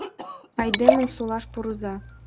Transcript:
Айдемым сулаш пурыза!